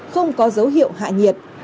không có dấu hiệu hạ nhiệt